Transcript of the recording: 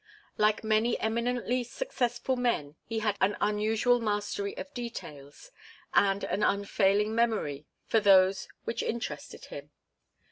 Like many eminently successful men he had an unusual mastery of details, and an unfailing memory for those which interested him.